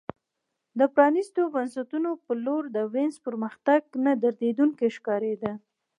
د پرانیستو بنسټونو په لور د وینز پرمختګ نه درېدونکی ښکارېده